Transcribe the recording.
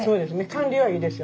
管理はいいですよね。